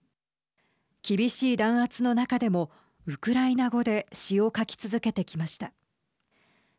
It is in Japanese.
厳しい弾圧の中でもウクライナ語で詩を書き続けてきました。